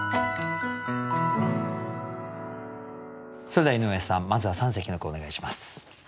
それでは井上さんまずは三席の句をお願いします。